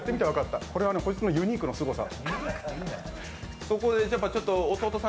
これはこいつのユニークさ。